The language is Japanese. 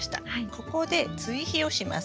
ここで追肥をします。